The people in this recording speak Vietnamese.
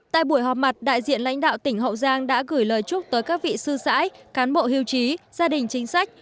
tại buổi họp mặt đại diện lãnh đạo tỉnh hậu giang đã gửi lời chúc tới các vị sư sãi cán bộ hưu trí gia đình chính sách